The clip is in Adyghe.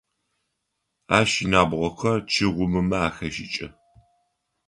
Ащ инабгъохэр чы гъумымэ ахешӏыкӏы.